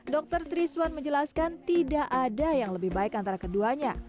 dr triswan menjelaskan tidak ada yang lebih baik antara keduanya